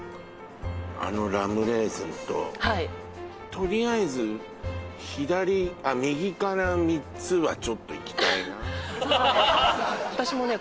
あのラムレーズンとはいとりあえず左あっ右から３つはちょっといきたいな私もね